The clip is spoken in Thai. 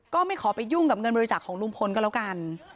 ไม่ขอไปยุ่งกับเงินบริจาคของลุงพลก็แล้วกัน